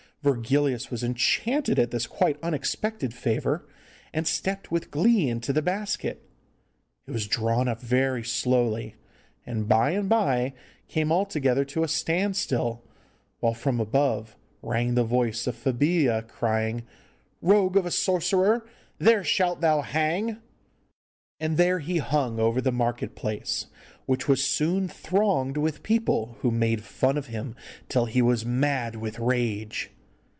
Virgilius was enchanted at this quite unexpected favour, and stepped with glee into the basket. It was drawn up very slowly, and by and by came altogether to a standstill, while from above rang the voice of Febilla crying, 'Rogue of a sorcerer, there shalt thou hang!' And there he hung over the market place, which was soon thronged with people, who made fun of him till he was mad with rage.